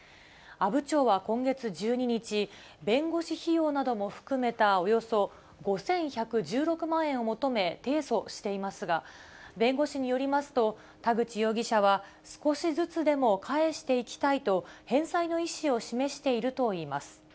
阿武町は今月１２日、弁護士費用なども含めたおよそ５１１６万円を求め、提訴していますが、弁護士によりますと、田口容疑者は少しずつでも返していきたいと、返済の意思を示しているといいます。